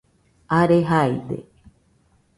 are jaide